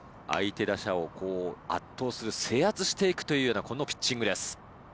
相手打者を圧倒する制圧して行くというようなこのピッチングです。